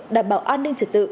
đảm bảo an ninh trật tự